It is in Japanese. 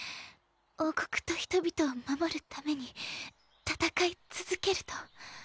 王国と人々を守るために戦い続けると。